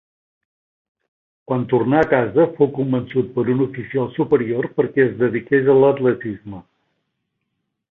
Quan tornà a casa fou convençut per un oficial superior perquè es dediqués a l'atletisme.